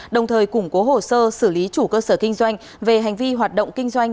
đồng thời củng cố hồ sơ xử lý chủ cơ sở kinh doanh về hành vi hoạt động kinh doanh